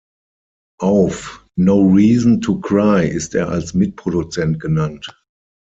Auf "No Reason to Cry" ist er als Mitproduzent genannt.